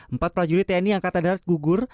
empat prajurit tni angkatan darat gugur